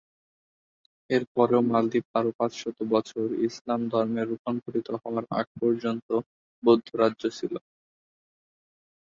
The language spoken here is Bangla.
এরপরেও মালদ্বীপ আরও পাঁচশত বছর, ইসলাম ধর্মে রুপান্তরিত হওয়ার আগ পর্যন্ত, বৌদ্ধ রাজ্য ছিল।